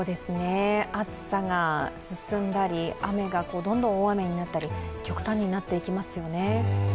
暑さが進んだり、雨がどんどん大雨になったり、極端になっていきますよね。